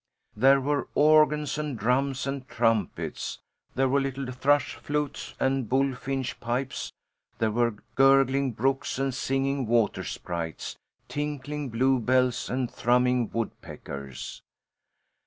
There were organs and drums and trumpets; there were little thrush flutes and bullfinch pipes; there were gurgling brooks and singing water sprites, tinkling bluebells and thrumming woodpeckers.